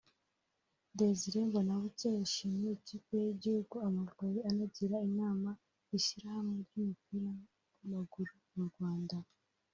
Desire Mbonabucya yashimiye ikipe y’ igihugu Amavubi anagirana inama ishyirahamwe ry’ umupira w’ amaguru mu Rwanda